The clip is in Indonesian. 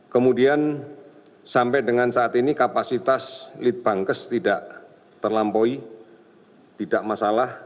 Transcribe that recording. kemudian sampai dengan saat ini kapasitas lead bankes tidak terlampaui tidak masalah